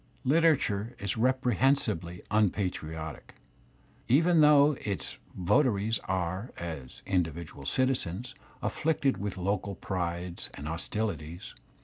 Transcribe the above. Literature is reprehensibly unpatriotic, even though its vota ries are, as individual citizens, afflicted with local prides and hostilities.